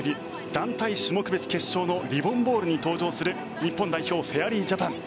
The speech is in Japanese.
団体種目別決勝のリボン・ボールに登場する日本代表フェアリージャパン。